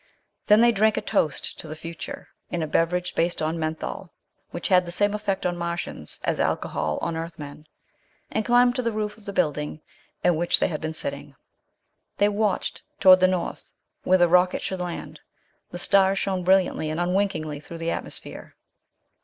Then they drank a toast to the future in a beverage based on menthol, which had the same effect on Martians as alcohol on Earthmen and climbed to the roof of the building in which they had been sitting. They watched toward the north, where the rocket should land. The stars shone brilliantly and unwinkingly through the atmosphere.